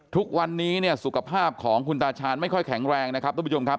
ทุกวันนี้เนี่ยสุขภาพของคุณตาชาญไม่ค่อยแข็งแรงนะครับทุกผู้ชมครับ